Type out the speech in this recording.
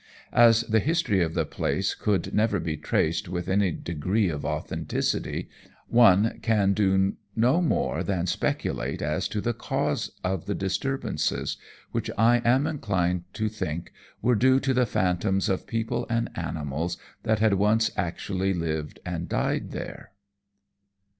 As the history of the place could never be traced with any degree of authenticity, one can do no more than speculate as to the cause of the disturbances, which, I am inclined to think, were due to the phantoms of people and animals that had once actually lived and died there.